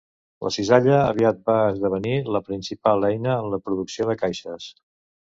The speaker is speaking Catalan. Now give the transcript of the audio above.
La cisalla aviat va esdevenir la principal eina en la producció de caixes.